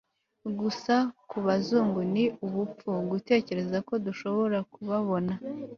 gusa kubazungu. ni ubupfu gutekereza ko dushobora kubabona